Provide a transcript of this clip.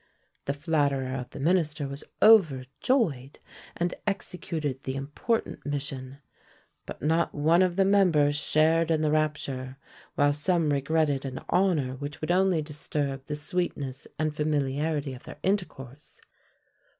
The flatterer of the minister was overjoyed, and executed the important mission; but not one of the members shared in the rapture, while some regretted an honour which would only disturb the sweetness and familiarity of their intercourse.